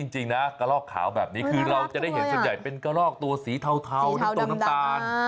จริงนะกระลอกขาวแบบนี้คือเราจะได้เห็นส่วนใหญ่เป็นกระลอกตัวสีเทาน้ำตรงน้ำตาล